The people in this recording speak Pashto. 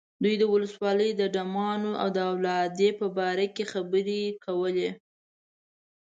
دوی د ولسوالۍ د ډمانو د اولادې په باره کې خبرې کولې.